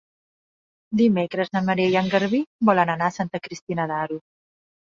Dimecres na Maria i en Garbí volen anar a Santa Cristina d'Aro.